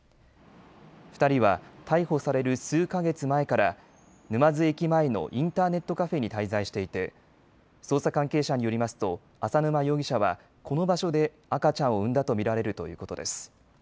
２人は逮捕される数か月前から沼津駅前のインターネットカフェに滞在していて捜査関係者によりますと淺沼容疑者はこの場所で赤ちゃんを産んだと見られるということです。